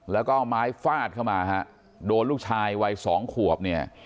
แล้วก็เอาไม้ฟาดเข้ามาโดนลูกชายวัย๒ขวบ